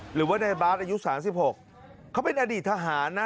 หรือว่าในบาสอายุ๓๖เขาเป็นอดีตทหารนะ